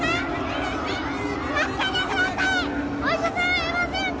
お医者さんいませんか！？